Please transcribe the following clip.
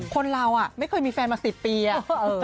คนเราไม่เคยมีแฟนมา๑๐ปีอะ